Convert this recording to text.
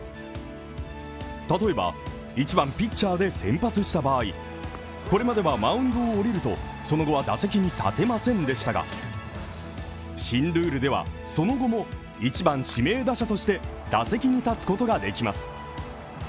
例えば、１番ピッチャーで先発した場合これまではマウンドを降りるとその後は打席に立てませんでしたが、新ルールでは、その後も１番・指名打者として打席に立つことができます。